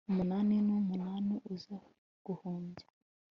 umunani n'umunani uza guhumbya